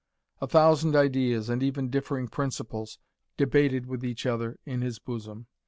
A thousand ideas, and even differing principles, debated with each other in his bosom.